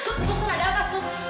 sus sus ada apa sus